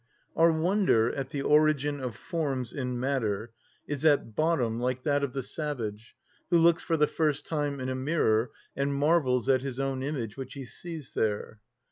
Our wonder at the origin of forms in matter is at bottom like that of the savage who looks for the first time in a mirror and marvels at his own image which he sees there.